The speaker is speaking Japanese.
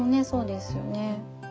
そうですよね。